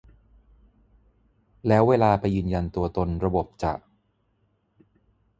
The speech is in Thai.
แล้วเวลาไปยืนยันตัวตนระบบจะ